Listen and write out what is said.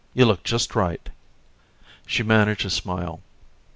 You look just right." She managed a smile.